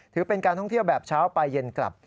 ถือเป็นการท่องเที่ยวแบบเช้าปลายเย็นกลับ